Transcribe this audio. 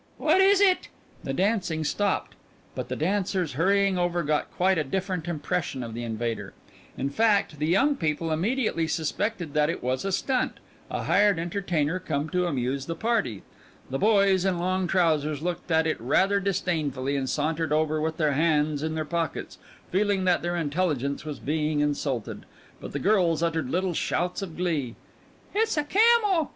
"What is it?" The dancing stopped, but the dancers hurrying over got quite a different impression of the invader; in fact, the young people immediately suspected that it was a stunt, a hired entertainer come to amuse the party. The boys in long trousers looked at it rather disdainfully, and sauntered over with their hands in their pockets, feeling that their intelligence was being insulted. But the girls uttered little shouts of glee. "It's a camel!"